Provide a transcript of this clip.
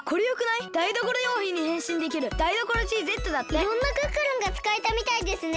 いろんなクックルンがつかえたみたいですね。